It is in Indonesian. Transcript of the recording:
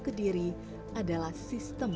ke diri adalah sistem